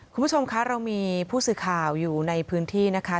คุณผู้ชมคะเรามีผู้สื่อข่าวอยู่ในพื้นที่นะคะ